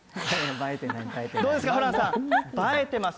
どうですか、ホランさん、映えてます？